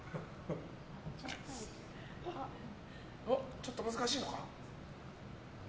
ちょっと難しいのか？